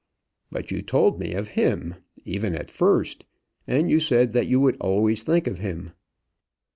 "But you told me of him, even at first. And you said that you would always think of him."